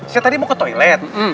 saya tadi mau ke toilet